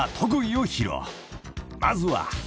［まずは］